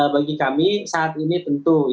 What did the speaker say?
bagi kami saat ini tentu